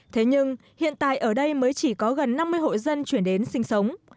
thế nhưng hiện tại ở đây mới chỉ có gần năm mươi hộ dân chuyển đến sinh sống